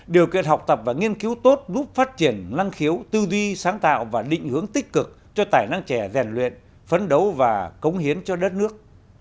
điều kiện học tập và nghiên cứu tốt giúp phát triển năng khiếu tư duy sáng tạo và định hướng tích cực cho tài năng trẻ rèn luyện phấn đấu và cống hiến cho đất nước